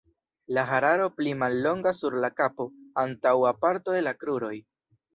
La hararo pli mallonga sur la kapo, antaŭa parto de la kruroj.